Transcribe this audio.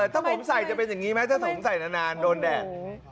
ถ้าผมใส่จะเป็นแบบนี้ไหมถ้าผมใส่โดนแดด